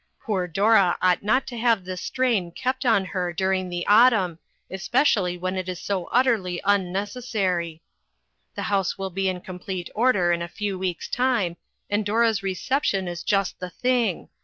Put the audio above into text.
Poor Dora ought not to have this strain kept on her during the autumn, especially when it is so utterly unnecessary. A FAMILY SECRET. 435 " The house will be in complete order in a few weeks' time, and Dora's reception is just the thing.